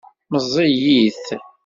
Meẓẓiyit.